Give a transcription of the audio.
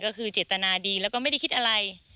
ก็คือเจตนาดีแล้วก็ไม่ได้คิดอะไร